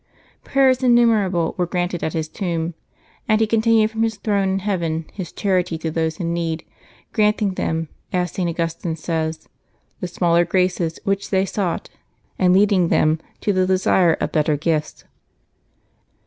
Prayers innumerable were granted at his tomb; and he continued from his throne in heaven his charity to those in need, granting them, as St. Augustine says, "the smaller graces which they sought, and leading them to the desire of better gifts."